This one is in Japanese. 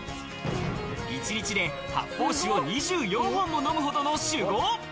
一日で発泡酒を２４本も飲むほどの酒豪。